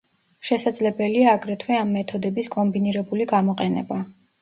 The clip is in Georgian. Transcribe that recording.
შესაძლებელია აგრეთვე ამ მეთოდების კომბინირებული გამოყენება.